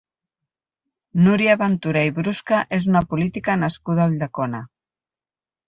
Núria Ventura i Brusca és una política nascuda a Ulldecona.